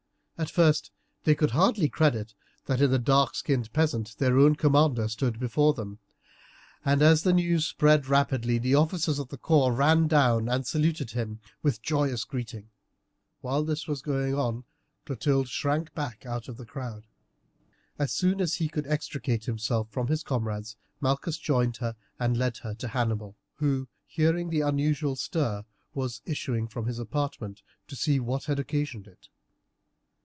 At first they could hardly credit that, in the dark skinned peasant, their own commander stood before them, and as the news spread rapidly the officers of the corps ran down and saluted him with a joyous greeting. While this was going on Clotilde shrank back out of the crowd. As soon as he could extricate himself from his comrades, Malchus joined her, and led her to Hannibal, who, hearing the unusual stir, was issuing from his apartment to see what had occasioned it.